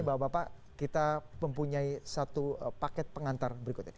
bapak bapak kita mempunyai satu paket pengantar berikutnya